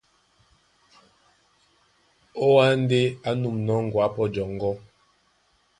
Ó Wâ ndé á nûmnɔ́ ŋgoá pɔ́ jɔŋgɔ́,